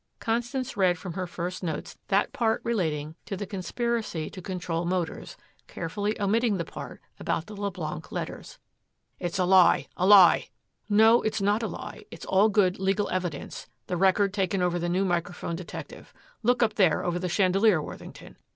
Constance read from her first notes that part relating to the conspiracy to control Motors, carefully omitting the part about the Leblanc letters. "It's a lie a lie." "No, it is not a lie. It is all good legal evidence, the record taken over the new microphone detective. Look up there over the chandelier, Worthington.